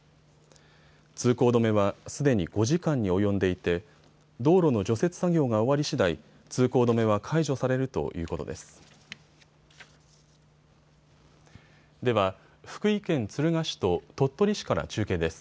通行止めはすでに５時間に及んでいて道路の除雪作業が終わりしだい通行止めは解除されるということです。